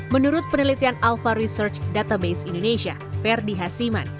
menurut penelitian alpha research database indonesia ferdi hasiman